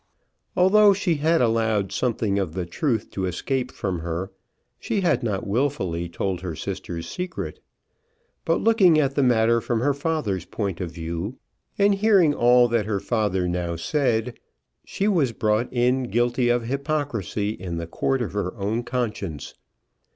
Although she had allowed something of the truth to escape from her, she had not wilfully told her sister's secret. But looking at the matter from her father's point of view, and hearing all that her father now said, she was brought in guilty of hypocrisy in the court of her own conscience.